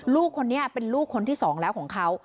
ลูกคนนี้เป็นลูกคนที่สองแล้วของเขา